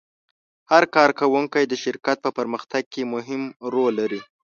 هر کارکوونکی د شرکت په پرمختګ کې مهم رول لري.